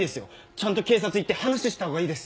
ちゃんと警察行って話したほうがいいです。